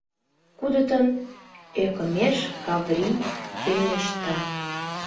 — Кудытын, — ӧкымеш Каврий пелешта.